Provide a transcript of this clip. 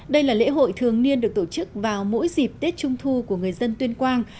đây là lễ hội thường niên được tổ chức vào mỗi dịp tết trung thu của người dân tuyên quang